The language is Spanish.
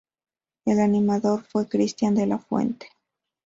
El animador fue Cristián de la Fuente.